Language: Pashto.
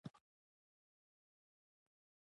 ګل د فطرت ښکلی نعمت دی.